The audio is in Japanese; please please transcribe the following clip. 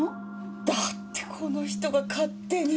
だってこの人が勝手に。